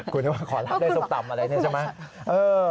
คุณนึกว่าขอรับได้ส้มตำอะไรนี่ใช่ไหม